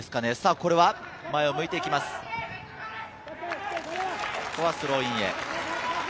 ここはスローインへ。